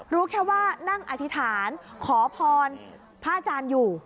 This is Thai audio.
รู้แค่ว่านั่งอธิษฐานขอพรพระอาจารย์อยู่